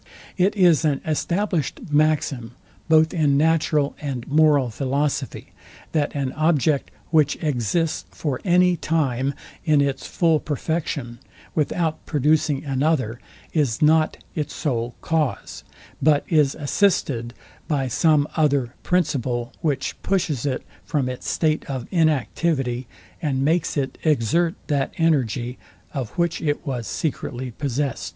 It is an established maxim both in natural and moral philosophy, that an object, which exists for any time in its full perfection without producing another, is not its sole cause; but is assisted by some other principle, which pushes it from its state of inactivity, and makes it exert that energy, of which it was secretly possest.